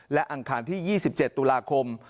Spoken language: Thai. และอังคารที่๒๗ตุลาคม